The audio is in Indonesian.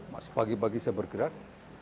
mas pagi pagi saya bergerak